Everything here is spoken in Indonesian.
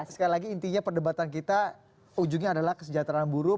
sekali lagi intinya perdebatan kita ujungnya adalah kesejahteraan buruh